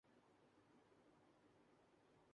سنا ہے چھپر ہوٹلوں کی چائے بڑی مزیدار ہوتی ہے۔